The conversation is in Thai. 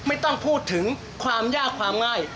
ไม่ต้องพูดถึงความยากความง่าย